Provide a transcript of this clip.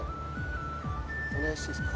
お願いしていいですか？